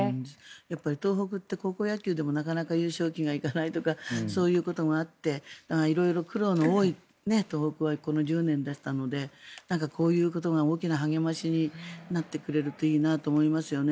やっぱり東北って高校野球でもなかなか優勝旗が行かないとかそういうことがあって色々、苦労の多い東北はこの１０年だったのでこういうことが大きな励ましになってくれるといいなと思いますよね。